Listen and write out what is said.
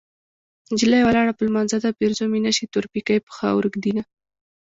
نجلۍ ولاړه په لمانځه ده پېرزو مې نشي تور پيکی په خاورو ږدينه